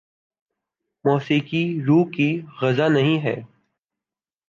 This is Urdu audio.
موسیقی روح کی غذا نہیں ہے